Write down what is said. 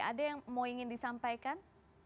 ada yang mau ingin disampaikan